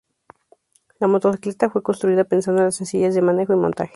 La motocicleta fue construida pensando en la sencillez de manejo y montaje.